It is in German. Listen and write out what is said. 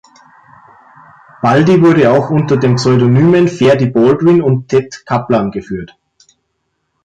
Baldi wurde auch unter den Pseudonymen "Ferdy Baldwin" und "Ted Kaplan" geführt.